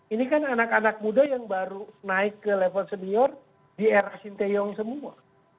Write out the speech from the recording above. ini kan anak anak muda yang baru naik ke level senior di era sinteyong semua